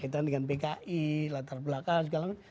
kaitan dengan pki latar belakang segala macam